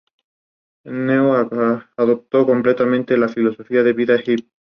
Ney adoptó completamente la filosofía de vida hippie.